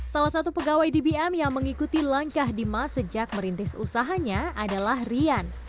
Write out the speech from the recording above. salah satu pegawai dbm yang mengikuti langkah dima sejak merintis usahanya adalah rian